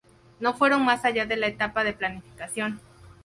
No fueron más allá de la etapa de planificación.